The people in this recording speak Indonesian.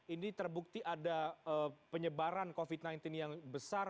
ini terbukti ada penyebaran covid sembilan belas yang besar